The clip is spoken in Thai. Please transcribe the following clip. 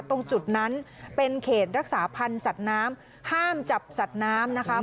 ตรงจุดนั้นเป็นเขตรักษาพันธ์สัตว์น้ำห้ามจับสัตว์น้ำนะคะ